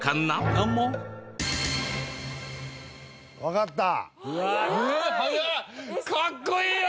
かっこいいよ！